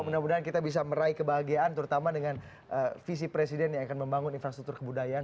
mudah mudahan kita bisa meraih kebahagiaan terutama dengan visi presiden yang akan membangun infrastruktur kebudayaan